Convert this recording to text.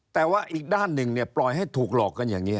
แต่ว่าอีกด้านหนึ่งเนี่ยปล่อยให้ถูกหลอกกันอย่างนี้